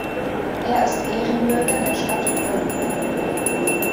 Er ist Ehrenbürger der Stadt Brünn.